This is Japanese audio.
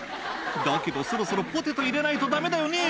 だけどそろそろポテト入れないとダメだよね」